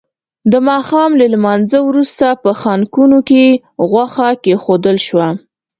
د ماښام له لمانځه وروسته په خانکونو کې غوښه کېښودل شوه.